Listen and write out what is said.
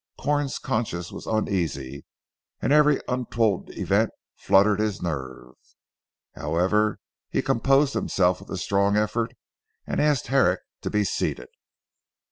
Corn's conscience was uneasy, and every untoward event fluttered his nerves. However he composed himself with a strong effort, and asked Herrick to be seated.